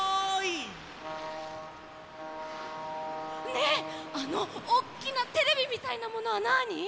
ねえあのおっきなテレビみたいなものはなに？